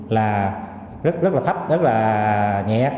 là rất là thấp rất là nhẹ